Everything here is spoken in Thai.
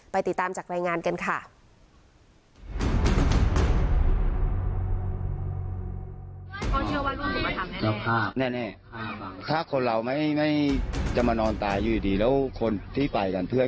ติดตามจากรายงานกันค่ะ